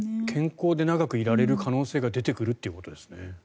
健康で長くいられる可能性が出てくるということですね。